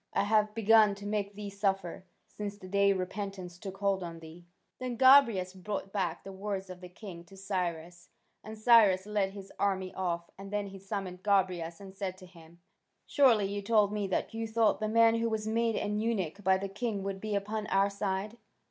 I have begun to make thee suffer, since the day repentance took hold on thee." Then Gobryas brought back the words of the king to Cyrus, and Cyrus led his army off, and then he summoned Gobryas and said to him: "Surely you told me that you thought the man who was made an eunuch by the king would be upon our side?"